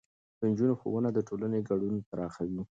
د نجونو ښوونه د ټولنې ګډون پراخوي.